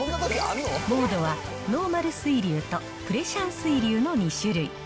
モードはノーマル水流とプレシャン水流の２種類。